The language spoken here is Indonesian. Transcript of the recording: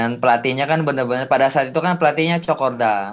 dan pelatihnya kan bener bener pada saat itu kan pelatihnya cokorda